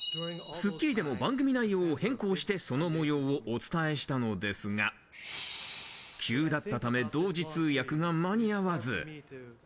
『スッキリ』でも番組内容を変更して、その模様をお伝えしたのですが、急だったため同時通訳が間に合わず。